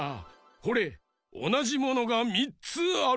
ほれおなじものが３つあるぞ。